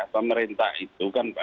pemerintah itu kan memang banyak